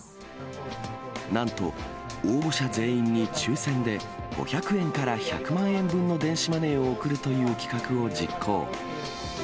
なんと応募者全員に抽せんで、５００円から１００万円分の電子マネーを贈るという企画を実行。